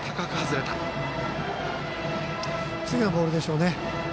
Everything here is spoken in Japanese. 次のボールでしょうね。